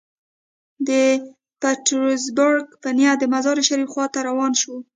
د پیټرزبورګ په نیت د مزار شریف خوا ته روان شو.